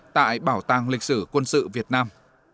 tại bảo tàng lịch sử quân sự việt nam